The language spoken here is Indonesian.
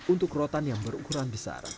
untuk rotan yang berukuran besar